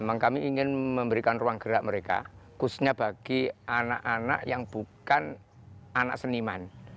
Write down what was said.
memang kami ingin memberikan ruang gerak mereka khususnya bagi anak anak yang bukan anak seniman